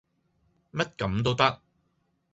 乜咁都得